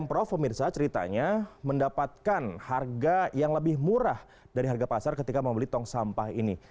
prof pemirsa ceritanya mendapatkan harga yang lebih murah dari harga pasar ketika membeli tong sampah ini